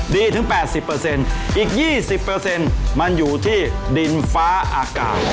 ดีถึง๘๐อีก๒๐มันอยู่ที่ดินฟ้าอากาศ